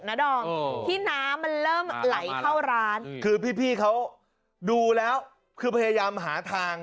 ดอมที่น้ำมันเริ่มไหลเข้าร้านคือพี่พี่เขาดูแล้วคือพยายามหาทาง